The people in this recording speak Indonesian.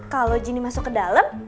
kalo jini masuk ke dalem